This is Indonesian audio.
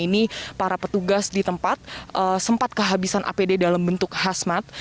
ini para petugas di tempat sempat kehabisan apd dalam bentuk khasmat